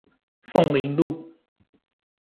鳳林路